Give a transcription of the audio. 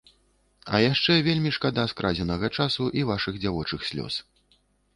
А яшчэ вельмі шкада скрадзенага часу і вашых дзявочых слёз.